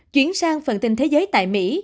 chuyến sang phần tin thế giới tại mỹ